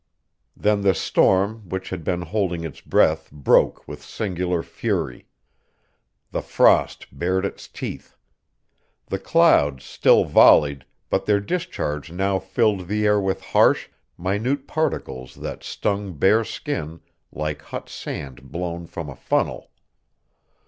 Then the storm which had been holding its breath broke with singular fury. The frost bared its teeth. The clouds still volleyed, but their discharge now filled the air with harsh, minute particles that stung bare skin like hot sand blown from a funnel.